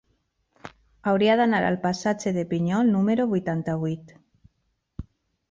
Hauria d'anar al passatge de Pinyol número vuitanta-vuit.